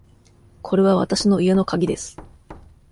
これはわたしの家のかぎです。